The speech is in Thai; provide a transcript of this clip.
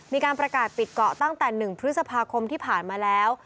มีการประกาศปิดเกาะตั้งแต่๑พฤษภาคมที่ผ่านมาแล้ว